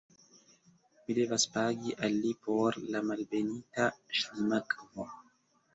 Mi devas pagi al li por la Malbenita Ŝlimakvo.